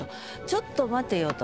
ちょっと待てよと。